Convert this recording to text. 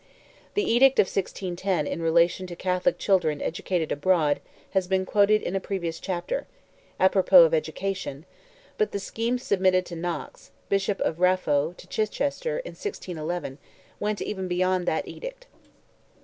The edict of 1610 in relation to Catholic children educated abroad has been quoted in a previous chapter, apropos of education, but the scheme submitted by Knox, Bishop of Raphoe, to Chichester in 1611 went even beyond that edict.